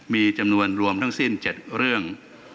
มีจำนวนรวมทั้งสิ้น๗เรื่อง